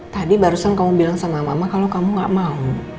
tadi barusan kamu bilang sama mama kalau kamu gak mau